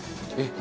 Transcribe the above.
何？